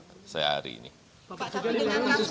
bagaimana pak ini kan dikarenakan dana ibah